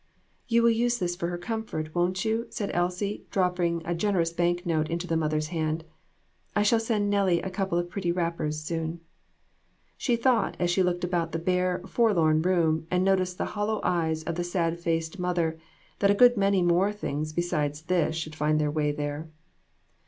"You will use this for her comfort, won't you?" said Elsie, dropping a generous bank note into the mother's hand ;" I shall send Nellie a couple of pretty wrappers soon." She thought, as she looked about the bare, for lorn room and noticed the hollow eyes of the sad faced mother, that a good many more things beside this should find their way there.